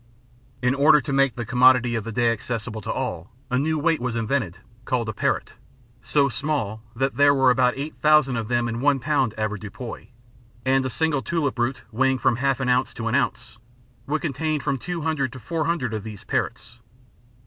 In order to make the commodity of the day accessible to all, a new weight was invented, called a perit, so small that there were about eight thousand of them in one pound avoirdupois, and a single tulip root weighing from half an ounce to an ounce, would contain from 200 to 400 of these perits.